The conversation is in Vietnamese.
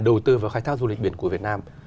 đầu tư vào khai thác du lịch biển của việt nam